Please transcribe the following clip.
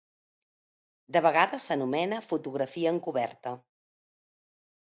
De vegades s'anomena fotografia encoberta.